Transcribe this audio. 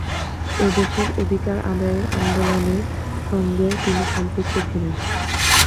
এ দেশের অধিকার আদায়ের আন্দোলনের সঙ্গেও তিনি সম্পৃক্ত ছিলেন।